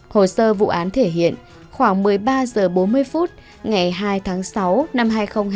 hồ sơ vụ án thể hiện khoảng một mươi ba h bốn mươi phút ngày hai tháng sáu năm hai nghìn hai mươi ba